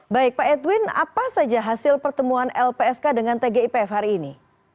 baik pak edwin apa saja hasil pertemuan lpsk dengan tgipf hari ini